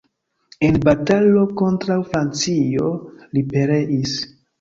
En batalo kontraŭ Francio li pereis.